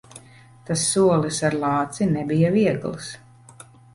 Tas solis ar lāci nebija viegls.